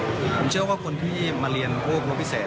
คุณเช่นเชื่อว่าคนที่มาเรียนเครื่องคมพิเศษ